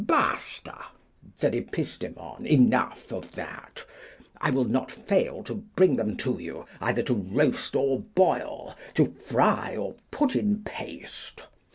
Baste, said Epistemon, enough of that! I will not fail to bring them to you, either to roast or boil, to fry or put in paste.